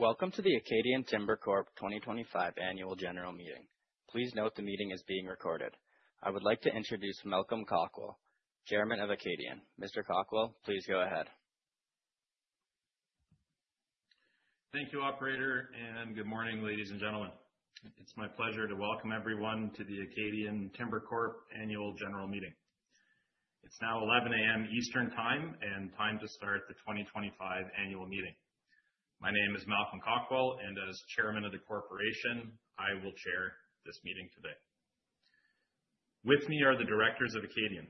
Welcome to the Acadian Timber Corp 2025 Annual General Meeting. Please note the meeting is being recorded. I would like to introduce Malcolm Cockwell, Chairman of Acadian. Mr. Cockwell, please go ahead. Thank you, Operator, and good morning, ladies and gentlemen. It's my pleasure to welcome everyone to the Acadian Timber Corp Annual General Meeting. It's now 11:00 A.M. Eastern Time and time to start the 2025 Annual Meeting. My name is Malcolm Cockwell, and as Chairman of the Corporation, I will chair this meeting today. With me are the Directors of Acadian: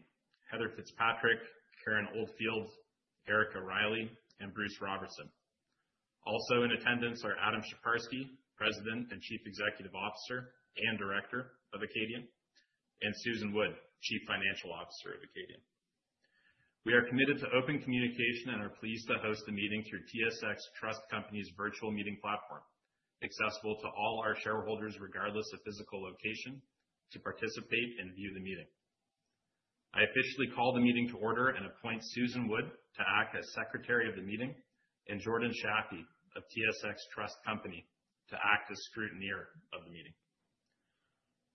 Heather Fitzpatrick, Karen Oldfield, Erica Riley, and Bruce Robertson. Also in attendance are Adam Sheparski, President and Chief Executive Officer and Director of Acadian, and Susan Wood, Chief Financial Officer of Acadian. We are committed to open communication and are pleased to host the meeting through TSX Trust Company's virtual meeting platform, accessible to all our shareholders regardless of physical location, to participate and view the meeting. I officially call the meeting to order and appoint Susan Wood to act as Secretary of the Meeting and Jordan Shaffey of TSX Trust Company to act as Scrutineer of the Meeting.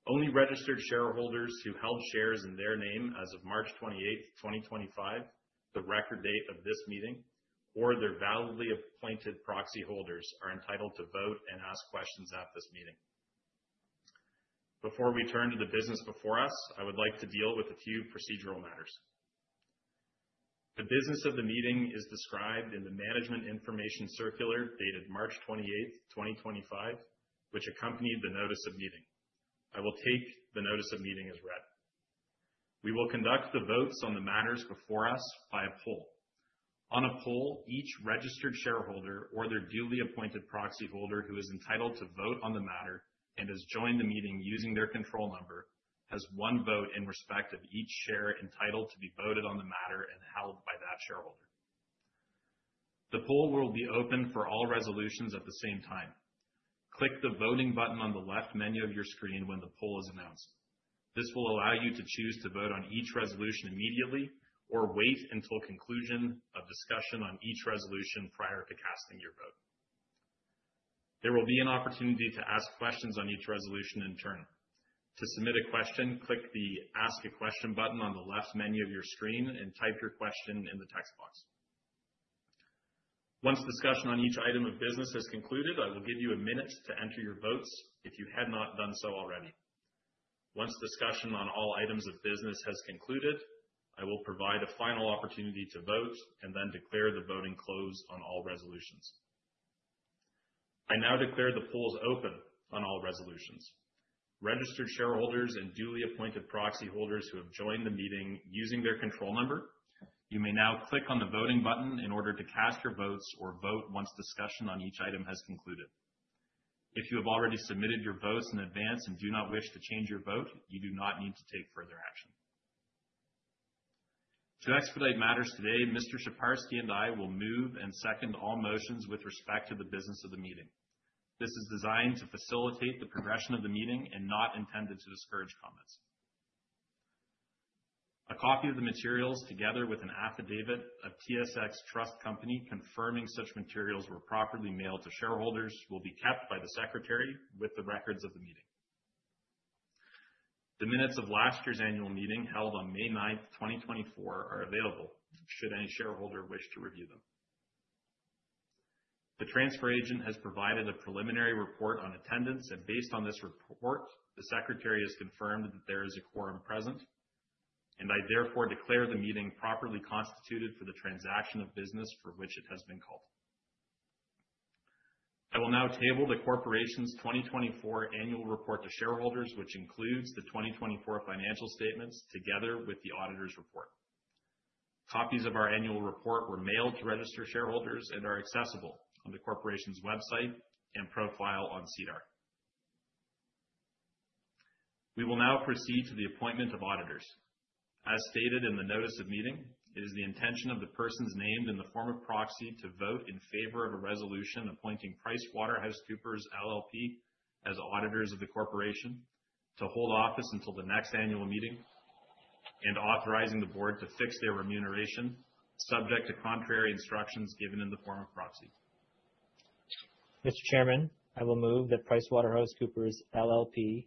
Only registered shareholders who held shares in their name as of March 28, 2025, the record date of this meeting, or their validly appointed proxy holders, are entitled to vote and ask questions at this meeting. Before we turn to the business before us, I would like to deal with a few procedural matters. The business of the meeting is described in the Management Information Circular dated March 28, 2025, which accompanied the Notice of Meeting. I will take the Notice of Meeting as read. We will conduct the votes on the matters before us by a poll. On a poll, each registered shareholder or their duly appointed proxy holder who is entitled to vote on the matter and has joined the meeting using their control number has 1 vote in respect of each share entitled to be voted on the matter and held by that shareholder. The poll will be open for all resolutions at the same time. Click the voting button on the left menu of your screen when the poll is announced. This will allow you to choose to vote on each resolution immediately or wait until conclusion of discussion on each resolution prior to casting your vote. There will be an opportunity to ask questions on each resolution in turn. To submit a question, click the Ask a Question button on the left menu of your screen and type your question in the text box. Once discussion on each item of business has concluded, I will give you a minute to enter your votes if you had not done so already. Once discussion on all items of business has concluded, I will provide a final opportunity to vote and then declare the voting closed on all resolutions. I now declare the polls open on all resolutions. Registered shareholders and duly appointed proxy holders who have joined the meeting using their control number, you may now click on the voting button in order to cast your votes or vote once discussion on each item has concluded. If you have already submitted your votes in advance and do not wish to change your vote, you do not need to take further action. To expedite matters today, Mr. Sheparski and I will move and second all motions with respect to the business of the meeting. This is designed to facilitate the progression of the meeting and not intended to discourage comments. A copy of the materials together with an affidavit of TSX Trust Company confirming such materials were properly mailed to shareholders will be kept by the Secretary with the records of the meeting. The minutes of last year's Annual Meeting held on May 9, 2024, are available should any shareholder wish to review them. The Transfer Agent has provided a preliminary report on attendance, and based on this report, the Secretary has confirmed that there is a quorum present, and I therefore declare the meeting properly constituted for the transaction of business for which it has been called. I will now table the Corporation's 2024 Annual Report to shareholders, which includes the 2024 financial statements together with the auditor's report. Copies of our Annual Report were mailed to registered shareholders and are accessible on the Corporation's website and profile on CDAR. We will now proceed to the appointment of auditors. As stated in the Notice of Meeting, it is the intention of the persons named in the form of proxy to vote in favor of a resolution appointing PricewaterhouseCoopers LLP as auditors of the Corporation, to hold office until the next Annual Meeting, and authorizing the Board to fix their remuneration subject to contrary instructions given in the form of proxy. Mr. Chairman, I will move that PricewaterhouseCoopers LLP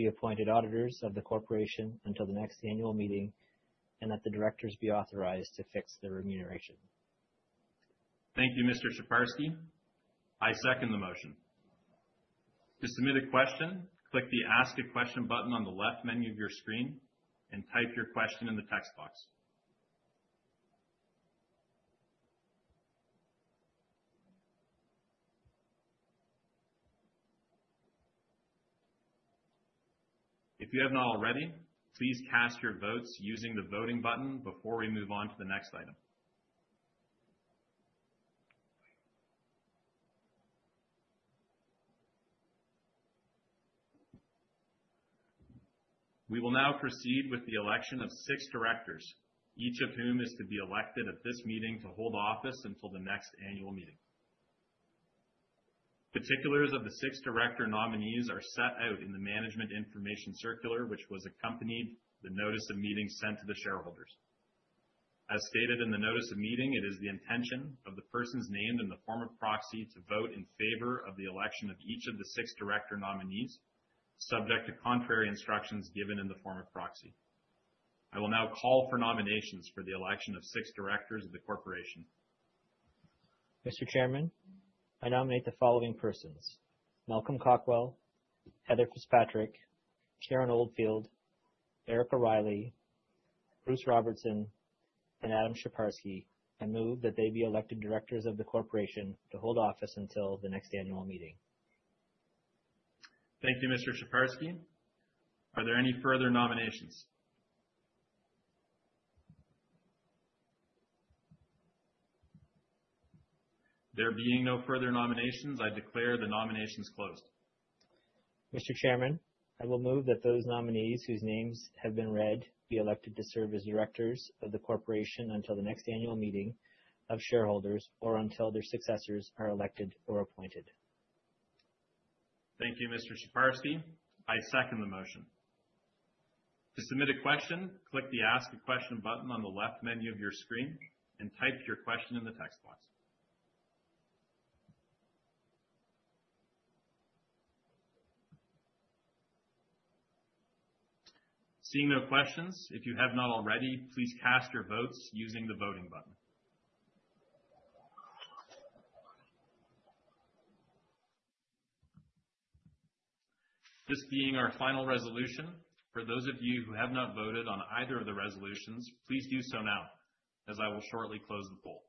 be appointed auditors of the Corporation until the next Annual Meeting and that the Directors be authorized to fix their remuneration. Thank you, Mr. Sheparski. I second the motion. To submit a question, click the Ask a Question button on the left menu of your screen and type your question in the text box. If you have not already, please cast your votes using the voting button before we move on to the next item. We will now proceed with the election of six Directors, each of whom is to be elected at this meeting to hold office until the next Annual Meeting. Particulars of the six Director nominees are set out in the Management Information Circular, which was accompanied by the Notice of Meeting sent to the shareholders. As stated in the Notice of Meeting, it is the intention of the persons named in the form of proxy to vote in favor of the election of each of the six Director nominees subject to contrary instructions given in the form of proxy. I will now call for nominations for the election of six Directors of the Corporation. Mr. Chairman, I nominate the following persons: Malcolm Cockwell, Heather Fitzpatrick, Karen Oldfield, Erica Riley, Bruce Robertson, and Adam Sheparski, and move that they be elected Directors of the Corporation to hold office until the next Annual Meeting. Thank you, Mr. Sheparski. Are there any further nominations? There being no further nominations, I declare the nominations closed. Mr. Chairman, I will move that those nominees whose names have been read be elected to serve as Directors of the Corporation until the next Annual Meeting of shareholders or until their successors are elected or appointed. Thank you, Mr. Sheparski. I second the motion. To submit a question, click the Ask a Question button on the left menu of your screen and type your question in the text box. Seeing no questions, if you have not already, please cast your votes using the voting button. This being our final resolution, for those of you who have not voted on either of the resolutions, please do so now as I will shortly close the poll.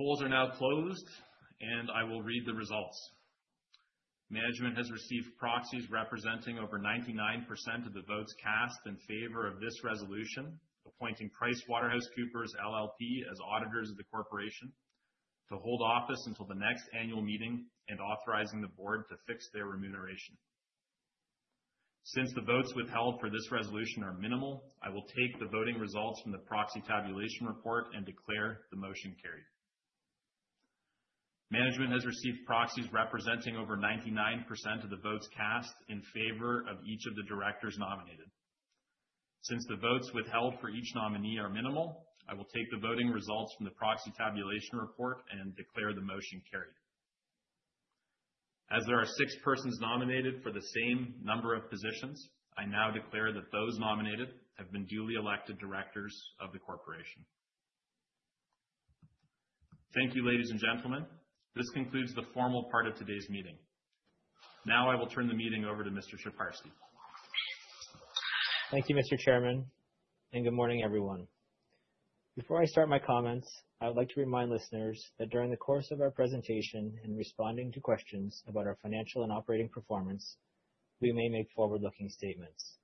The polls are now closed, and I will read the results. Management has received proxies representing over 99% of the votes cast in favor of this resolution appointing PricewaterhouseCoopers LLP as auditors of the Corporation to hold office until the next Annual Meeting and authorizing the Board to fix their remuneration. Since the votes withheld for this resolution are minimal, I will take the voting results from the proxy tabulation report and declare the motion carried. Management has received proxies representing over 99% of the votes cast in favor of each of the Directors nominated. Since the votes withheld for each nominee are minimal, I will take the voting results from the proxy tabulation report and declare the motion carried. As there are six persons nominated for the same number of positions, I now declare that those nominated have been duly elected Directors of the Corporation. Thank you, ladies and gentlemen. This concludes the formal part of today's meeting. Now I will turn the meeting over to Mr. Sheparski. Thank you, Mr. Chairman, and good morning, everyone. Before I start my comments, I would like to remind listeners that during the course of our presentation and responding to questions about our financial and operating performance, we may make forward-looking statements.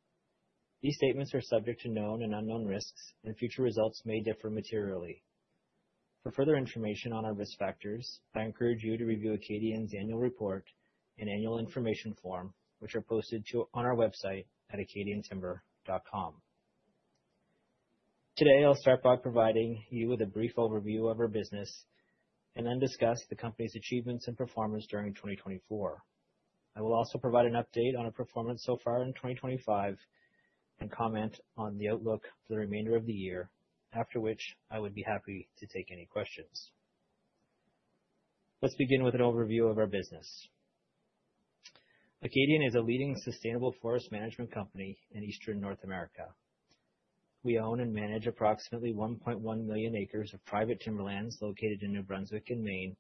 These statements are subject to known and unknown risks, and future results may differ materially. For further information on our risk factors, I encourage you to review Acadian's Annual Report and Annual Information Form, which are posted on our website at acadiantimber.com. Today, I'll start by providing you with a brief overview of our business and then discuss the company's achievements and performance during 2024. I will also provide an update on our performance so far in 2025 and comment on the outlook for the remainder of the year, after which I would be happy to take any questions. Let's begin with an overview of our business. Acadian is a leading sustainable forest management company in Eastern North America. We own and manage approximately 1.1 million acres of private timberlands located in New Brunswick and Maine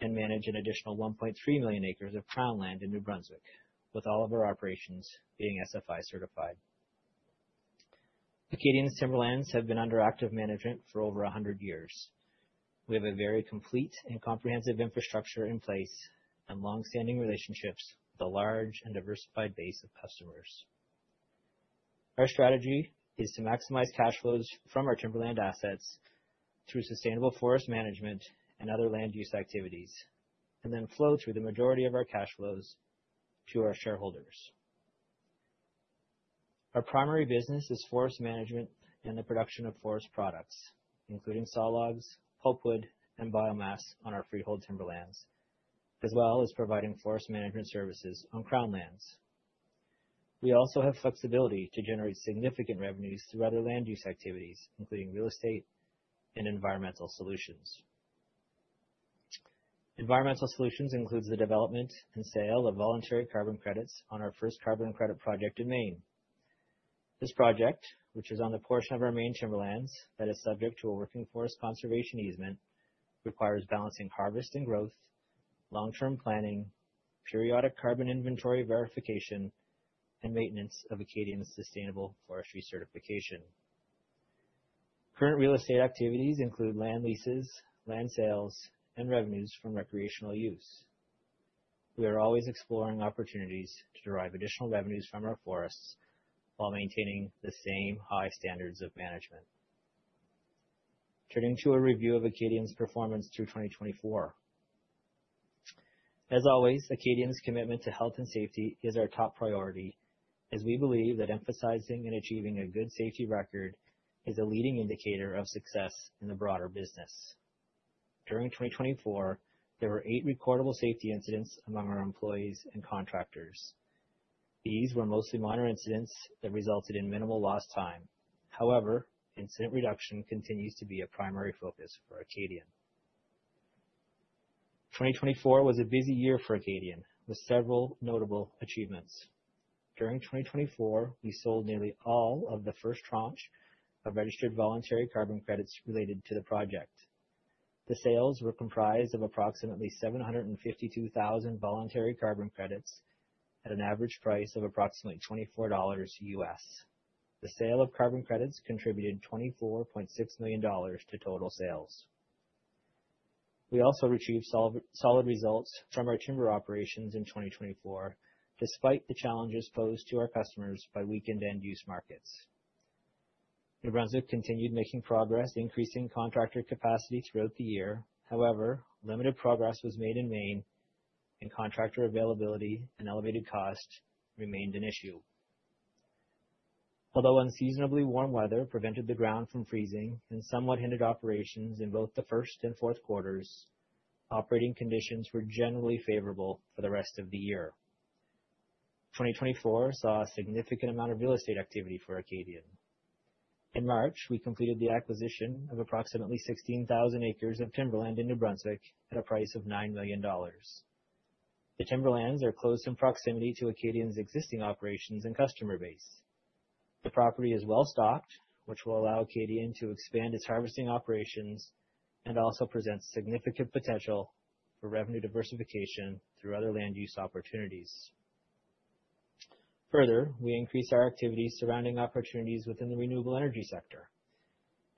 and manage an additional 1.3 million acres of crown land in New Brunswick, with all of our operations being SFI certified. Acadian's timberlands have been under active management for over 100 years. We have a very complete and comprehensive infrastructure in place and long-standing relationships with a large and diversified base of customers. Our strategy is to maximize cash flows from our timberland assets through sustainable forest management and other land use activities and then flow through the majority of our cash flows to our shareholders. Our primary business is forest management and the production of forest products, including saw logs, pulpwood, and biomass on our freehold timberlands, as well as providing forest management services on crown lands. We also have flexibility to generate significant revenues through other land use activities, including real estate and environmental solutions. Environmental solutions include the development and sale of voluntary carbon credits on our first carbon credit project in Maine. This project, which is on the portion of our Maine timberlands that is subject to a working forest conservation easement, requires balancing harvest and growth, long-term planning, periodic carbon inventory verification, and maintenance of Acadian's sustainable forestry certification. Current real estate activities include land leases, land sales, and revenues from recreational use. We are always exploring opportunities to derive additional revenues from our forests while maintaining the same high standards of management. Turning to a review of Acadian's performance through 2024. As always, Acadian's commitment to health and safety is our top priority, as we believe that emphasizing and achieving a good safety record is a leading indicator of success in the broader business. During 2024, there were 8 recordable safety incidents among our employees and contractors. These were mostly minor incidents that resulted in minimal lost time. However, incident reduction continues to be a primary focus for Acadian. 2024 was a busy year for Acadian, with several notable achievements. During 2024, we sold nearly all of the first tranche of registered voluntary carbon credits related to the project. The sales were comprised of approximately 752,000 voluntary carbon credits at an average price of approximately $24 US. The sale of carbon credits contributed $24.6 million to total sales. We also retrieved solid results from our timber operations in 2024, despite the challenges posed to our customers by weakened end-use markets. New Brunswick continued making progress, increasing contractor capacity throughout the year. However, limited progress was made in Maine, and contractor availability and elevated cost remained an issue. Although unseasonably warm weather prevented the ground from freezing and somewhat hindered operations in both the first and fourth quarters, operating conditions were generally favorable for the rest of the year. 2024 saw a significant amount of real estate activity for Acadian. In March, we completed the acquisition of approximately 16,000 acres of timberland in New Brunswick at a price of $9 million. The timberlands are close in proximity to Acadian's existing operations and customer base. The property is well stocked, which will allow Acadian to expand its harvesting operations and also presents significant potential for revenue diversification through other land use opportunities. Further, we increased our activity surrounding opportunities within the renewable energy sector.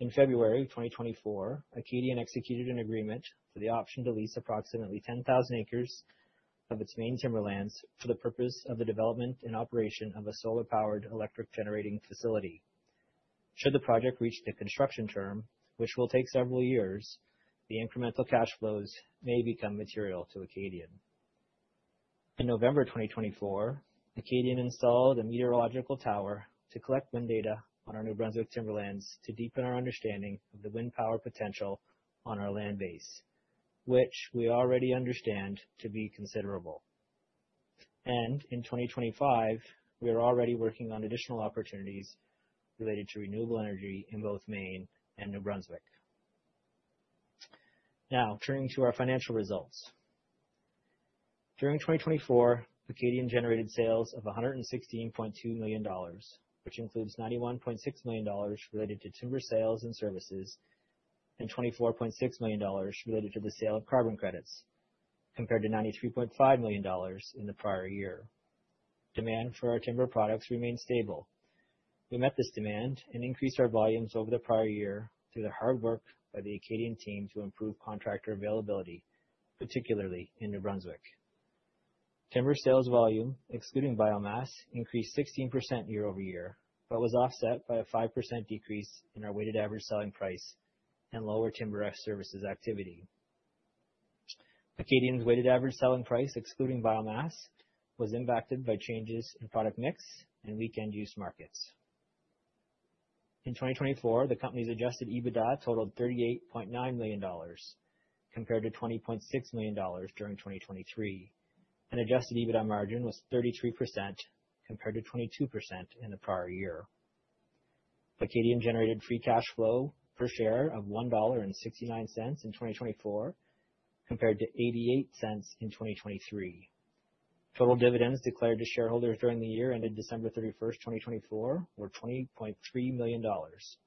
In February of 2024, Acadian executed an agreement for the option to lease approximately 10,000 acres of its Maine timberlands for the purpose of the development and operation of a solar-powered electric generating facility. Should the project reach the construction term, which will take several years, the incremental cash flows may become material to Acadian. In November 2024, Acadian installed a meteorological tower to collect wind data on our New Brunswick timberlands to deepen our understanding of the wind power potential on our land base, which we already understand to be considerable. In 2025, we are already working on additional opportunities related to renewable energy in both Maine and New Brunswick. Now, turning to our financial results. During 2024, Acadian generated sales of $116.2 million, which includes $91.6 million related to timber sales and services and $24.6 million related to the sale of carbon credits, compared to $93.5 million in the prior year. Demand for our timber products remained stable. We met this demand and increased our volumes over the prior year through the hard work by the Acadian team to improve contractor availability, particularly in New Brunswick. Timber sales volume, excluding biomass, increased 16% year over year, but was offset by a 5% decrease in our weighted average selling price and lower timber services activity. Acadian's weighted average selling price, excluding biomass, was impacted by changes in product mix and weak end-use markets. In 2024, the company's adjusted EBITDA totaled $38.9 million, compared to $20.6 million during 2023. An adjusted EBITDA margin was 33%, compared to 22% in the prior year. Acadian generated free cash flow per share of $1.69 in 2024, compared to $0.88 in 2023. Total dividends declared to shareholders during the year ended December 31, 2024, were $20.3 million,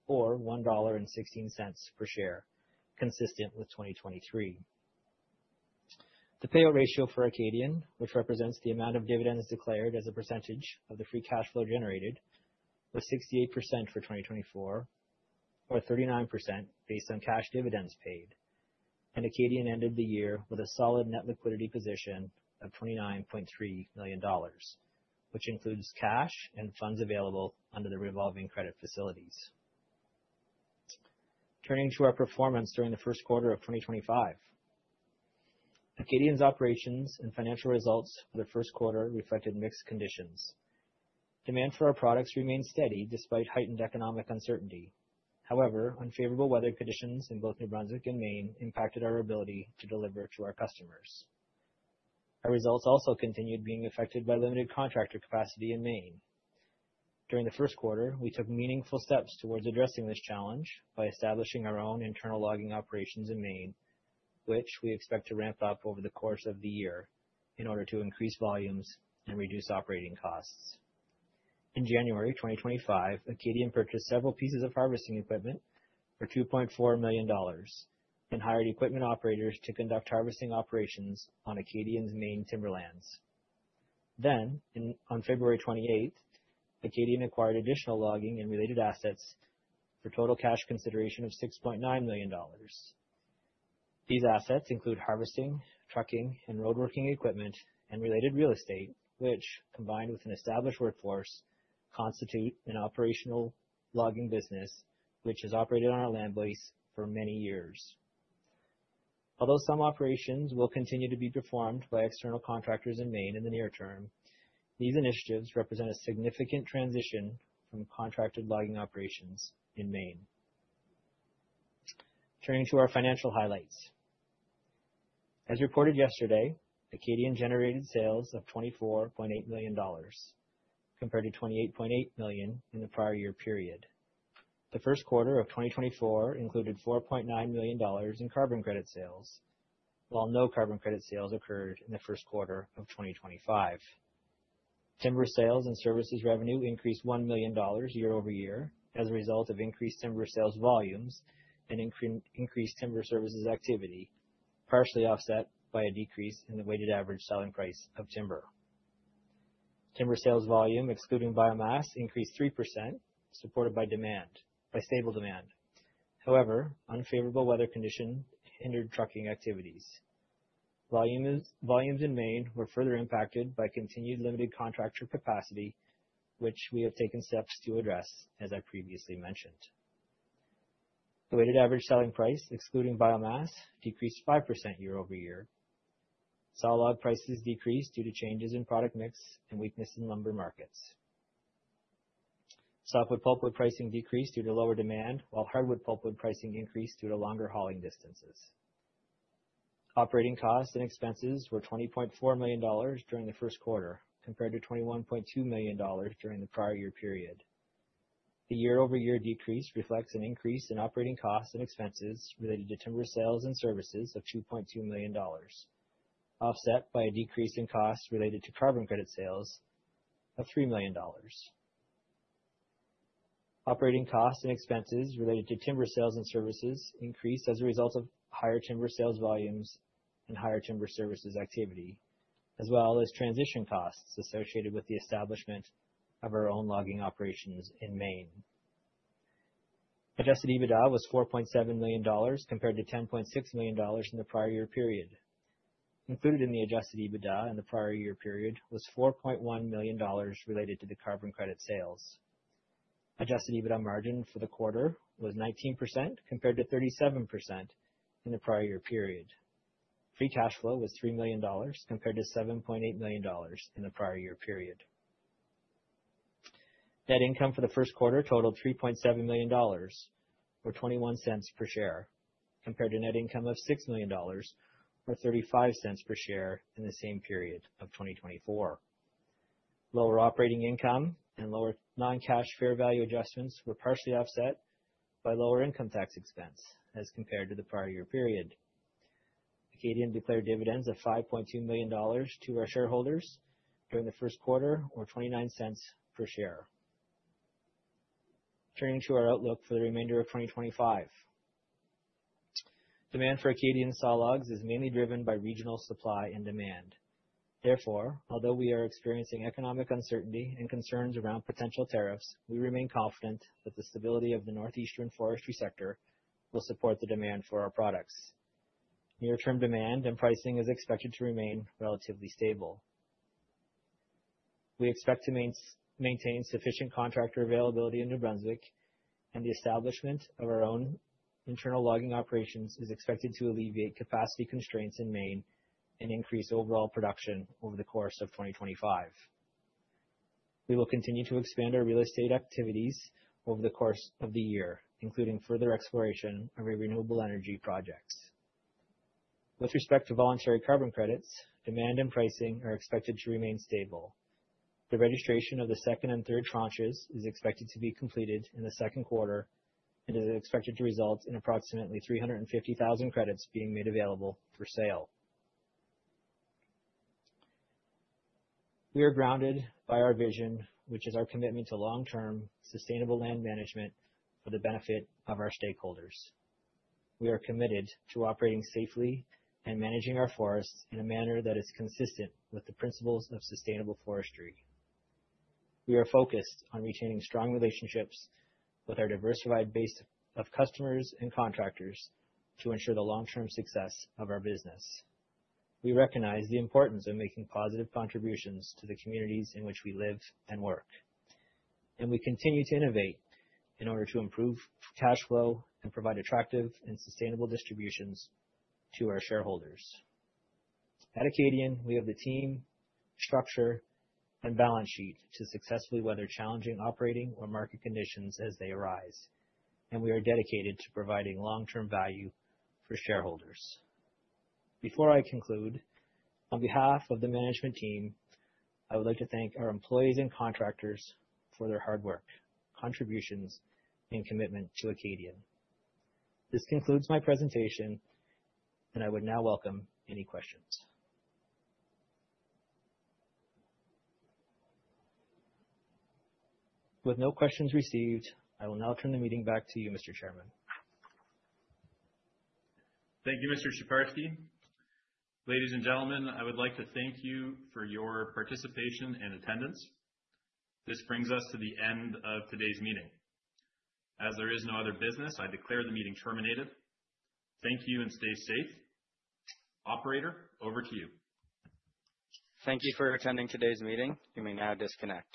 or $1.16 per share, consistent with 2023. The payout ratio for Acadian, which represents the amount of dividends declared as a percentage of the free cash flow generated, was 68% for 2024, or 39% based on cash dividends paid. Acadian ended the year with a solid net liquidity position of $29.3 million, which includes cash and funds available under the revolving credit facilities. Turning to our performance during the first quarter of 2025. Acadian's operations and financial results for the first quarter reflected mixed conditions. Demand for our products remained steady despite heightened economic uncertainty. However, unfavorable weather conditions in both New Brunswick and Maine impacted our ability to deliver to our customers. Our results also continued being affected by limited contractor capacity in Maine. During the first quarter, we took meaningful steps towards addressing this challenge by establishing our own internal logging operations in Maine, which we expect to ramp up over the course of the year in order to increase volumes and reduce operating costs. In January 2025, Acadian purchased several pieces of harvesting equipment for $2.4 million and hired equipment operators to conduct harvesting operations on Acadian's Maine timberlands. On February 28th, Acadian acquired additional logging and related assets for a total cash consideration of $6.9 million. These assets include harvesting, trucking, and roadworking equipment and related real estate, which, combined with an established workforce, constitute an operational logging business which has operated on our land base for many years. Although some operations will continue to be performed by external contractors in Maine in the near term, these initiatives represent a significant transition from contracted logging operations in Maine. Turning to our financial highlights. As reported yesterday, Acadian generated sales of $24.8 million, compared to $28.8 million in the prior year period. The first quarter of 2024 included $4.9 million in carbon credit sales, while no carbon credit sales occurred in the first quarter of 2025. Timber sales and services revenue increased $1 million year over year as a result of increased timber sales volumes and increased timber services activity, partially offset by a decrease in the weighted average selling price of timber. Timber sales volume, excluding biomass, increased 3%, supported by stable demand. However, unfavorable weather conditions hindered trucking activities. Volumes in Maine were further impacted by continued limited contractor capacity, which we have taken steps to address, as I previously mentioned. The weighted average selling price, excluding biomass, decreased 5% year over year. Saw log prices decreased due to changes in product mix and weakness in lumber markets. Softwood pulpwood pricing decreased due to lower demand, while hardwood pulpwood pricing increased due to longer hauling distances. Operating costs and expenses were $20.4 million during the first quarter, compared to $21.2 million during the prior year period. The year-over-year decrease reflects an increase in operating costs and expenses related to timber sales and services of $2.2 million, offset by a decrease in costs related to carbon credit sales of $3 million. Operating costs and expenses related to timber sales and services increased as a result of higher timber sales volumes and higher timber services activity, as well as transition costs associated with the establishment of our own logging operations in Maine. Adjusted EBITDA was $4.7 million, compared to $10.6 million in the prior year period. Included in the adjusted EBITDA in the prior year period was $4.1 million related to the carbon credit sales. Adjusted EBITDA margin for the quarter was 19%, compared to 37% in the prior year period. Free cash flow was $3 million, compared to $7.8 million in the prior year period. Net income for the first quarter totaled $3.7 million, or $0.21 per share, compared to net income of $6 million, or $0.35 per share in the same period of 2024. Lower operating income and lower non-cash fair value adjustments were partially offset by lower income tax expense as compared to the prior year period. Acadian declared dividends of $5.2 million to our shareholders during the first quarter, or $0.29 per share. Turning to our outlook for the remainder of 2025. Demand for Acadian saw logs is mainly driven by regional supply and demand. Therefore, although we are experiencing economic uncertainty and concerns around potential tariffs, we remain confident that the stability of the northeastern forestry sector will support the demand for our products. Near-term demand and pricing is expected to remain relatively stable. We expect to maintain sufficient contractor availability in New Brunswick, and the establishment of our own internal logging operations is expected to alleviate capacity constraints in Maine and increase overall production over the course of 2025. We will continue to expand our real estate activities over the course of the year, including further exploration of our renewable energy projects. With respect to voluntary carbon credits, demand and pricing are expected to remain stable. The registration of the second and third tranches is expected to be completed in the second quarter and is expected to result in approximately 350,000 credits being made available for sale. We are grounded by our vision, which is our commitment to long-term sustainable land management for the benefit of our stakeholders. We are committed to operating safely and managing our forests in a manner that is consistent with the principles of sustainable forestry. We are focused on retaining strong relationships with our diversified base of customers and contractors to ensure the long-term success of our business. We recognize the importance of making positive contributions to the communities in which we live and work, and we continue to innovate in order to improve cash flow and provide attractive and sustainable distributions to our shareholders. At Acadian, we have the team, structure, and balance sheet to successfully weather challenging operating or market conditions as they arise, and we are dedicated to providing long-term value for shareholders. Before I conclude, on behalf of the management team, I would like to thank our employees and contractors for their hard work, contributions, and commitment to Acadian. This concludes my presentation, and I would now welcome any questions. With no questions received, I will now turn the meeting back to you, Mr. Chairman. Thank you, Mr. Sheparski. Ladies and gentlemen, I would like to thank you for your participation and attendance. This brings us to the end of today's meeting. As there is no other business, I declare the meeting terminated. Thank you and stay safe. Operator, over to you. Thank you for attending today's meeting. You may now disconnect.